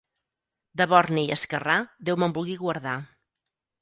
De borni i esquerrà, Déu me'n vulgui guardar.